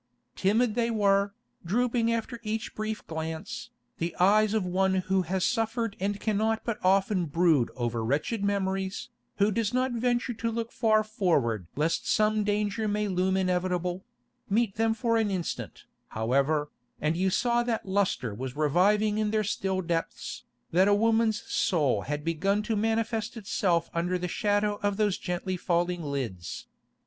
Timid they were, drooping after each brief glance, the eyes of one who has suffered and cannot but often brood over wretched memories, who does not venture to look far forward lest some danger may loom inevitable—meet them for an instant, however, and you saw that lustre was reviving in their still depths, that a woman's soul had begun to manifest itself under the shadow of those gently falling lids.